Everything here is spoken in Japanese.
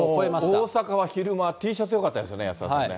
もう大阪は昼間、Ｔシャツでよかったですね、安田さんね。